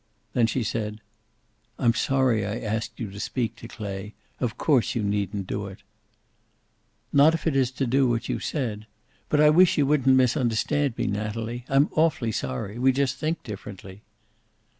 Then she said, "I'm sorry I asked you to speak to Clay. Of course you needn't do it." "Not if it is to do what you said. But I wish you wouldn't misunderstand me, Natalie. I'm awfully sorry. We just think differently."